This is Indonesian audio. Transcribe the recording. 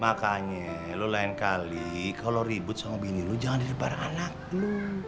makanya lo lain kali kalau ribut sama bini lo jangan di depan anak lo